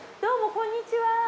こんにちは。